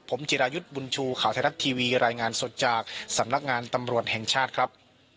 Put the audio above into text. ผมจิรายุทธ์บุญชูข่าวไทยรัฐทีวีรายงานสดจากสำนักงานตำรวจแห่งชาติครับ